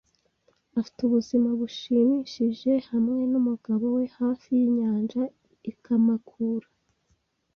Afite ubuzima bushimishije hamwe numugabo we hafi yinyanja i Kamakura.